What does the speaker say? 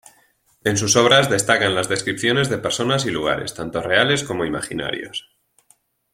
En sus obras destacan las descripciones de personas y lugares, tanto reales como imaginarios.